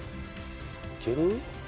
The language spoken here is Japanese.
いける？